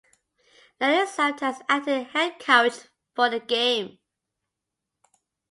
Lunney served as acting head coach for the game.